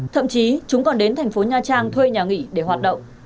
thậm chí chúng còn đến thành phố nha trang thuê nhà nghỉ để hoạt động